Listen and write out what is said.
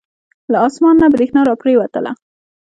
له اسمان نه بریښنا را پریوتله.